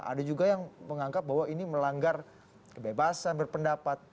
ada juga yang menganggap bahwa ini melanggar kebebasan berpendapat